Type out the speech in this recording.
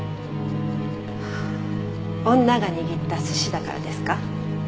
女が握った寿司だからですか？